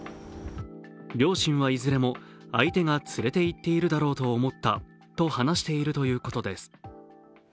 両親はいずれも相手が連れていっているだろうと思ったと話しているということです。